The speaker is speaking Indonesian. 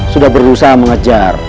sudah berusaha mengejar